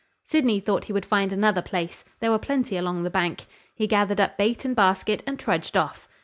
Sydney thought he would find another place: there were plenty along the bank. He gathered up bait and basket, and trudged off.